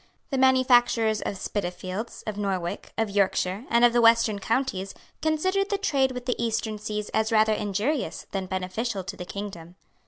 The manufacturers of Spitalfields, of Norwich, of Yorkshire, and of the Western counties, considered the trade with the Eastern seas as rather injurious than beneficial to the kingdom.